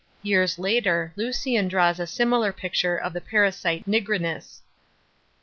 Years later, Lucian draws a similar picture of the parasite Nigrinus. § 7.